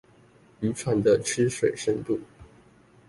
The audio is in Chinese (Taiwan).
漁船的吃水深度